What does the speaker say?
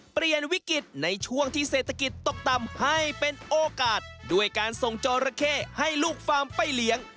เปลี่ยนวิกฤตในช่วงที่เศรษฐกิจตกต่ำให้เป็นโอกาสด้วยการส่งจอระเข้ให้ลูกฟาร์มไปเลี้ยง